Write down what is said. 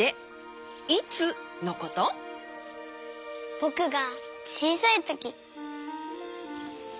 ぼくがちいさいとき。